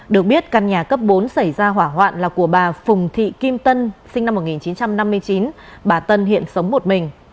được biết căn nhà cấp bốn xảy ra hỏa hoạn là của bà phùng thị kim tân sinh năm một nghìn chín trăm năm mươi chín bà tân hiện sống một mình